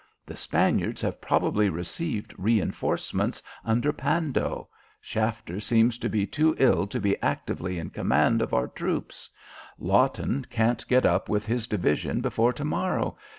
The Spaniards have probably received reenforcements under Pando; Shafter seems to be too ill to be actively in command of our troops; Lawton can't get up with his division before to morrow.